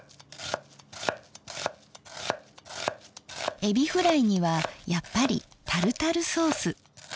えびフライにはやっぱりタルタルソース。